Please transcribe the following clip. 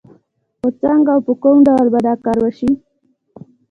خو څنګه او په کوم ډول به دا کار وشي؟